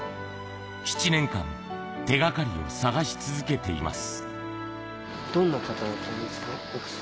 ７年間、手がかりを捜し続けています。